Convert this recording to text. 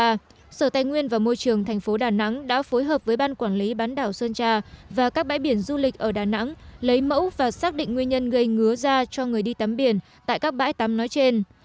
trước đó sở tài nguyên và môi trường thành phố đà nẵng đã phối hợp với ban quản lý bán đảo sơn trà và các bãi biển du lịch ở đà nẵng lấy mẫu và xác định nguyên nhân gây ngứa da cho người đi tắm biển tại các bãi tắm nói trên